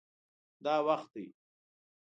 دا وخت دی